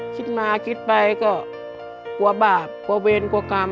คิดมาคิดไปก็กลัวบาปกลัวเวรกลัวกรรม